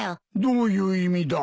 どういう意味だ？